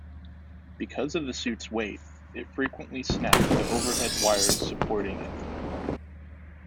Because of the suit's weight, it frequently snapped the overhead wires supporting it.